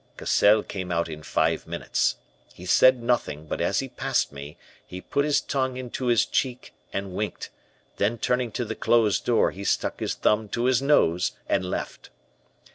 "Cassell came out in five minutes. He said nothing, but as he passed me, he put his tongue into his cheek and winked, then turning to the closed door, he stuck his thumb to his nose and left.